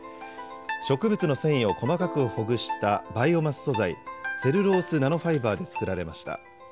植物の繊維を細かくほぐしたバイオマス素材、セルロースナノファイバーで作られました。